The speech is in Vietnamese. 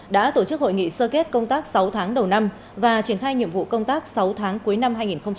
đã tổ chức hội nghị sơ kết công tác sáu tháng đầu năm và triển khai nhiệm vụ công tác sáu tháng cuối năm hai nghìn hai mươi